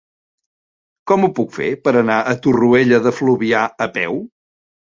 Com ho puc fer per anar a Torroella de Fluvià a peu?